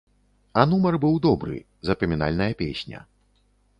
А нумар быў добры, запамінальная песня.